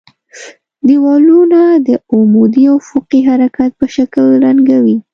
دېوالونه د عمودي او افقي حرکت په شکل رنګوي.